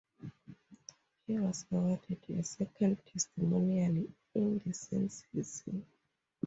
He was awarded a second testimonial in the same season.